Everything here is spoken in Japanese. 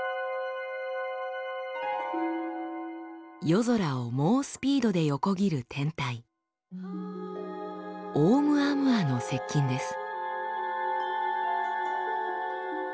夜空を猛スピードで横切る天体「オウムアムア」の接近です。